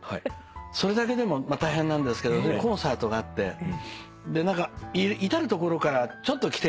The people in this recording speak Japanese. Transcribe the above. それだけでも大変なんですけどコンサートがあって至る所から「ちょっと来てよ」って呼ばれて。